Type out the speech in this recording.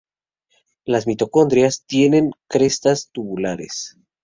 Las mitocondrias tienen crestas tubulares.